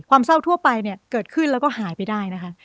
เศร้าทั่วไปเนี่ยเกิดขึ้นแล้วก็หายไปได้นะคะ